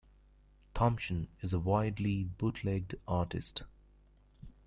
Thompson is a widely bootlegged artist.